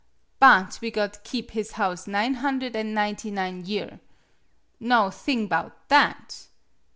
But we got keep his house nine hundred an' ninety nine year! Now thing 'bout that!